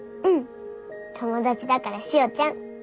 友達だからしおちゃん。